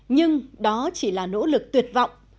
nhưng đó chỉ là nỗ lực tuyệt vọng